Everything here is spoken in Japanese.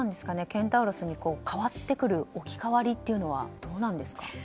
ケンタウロスに変わってくる置き換わりというのはどうなんですかね？